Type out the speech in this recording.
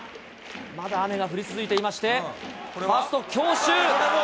まだ雨が降り続いていまして、ファーストきょうしゅう。